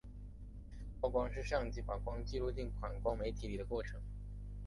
曝光是相机把光记录进感光媒体里的过程。